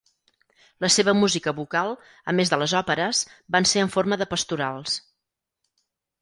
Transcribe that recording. La seva música vocal, a més de les òperes, van ser en forma de pastorals.